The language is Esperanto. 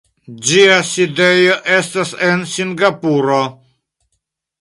Ĝia sidejo estas en Singapuro.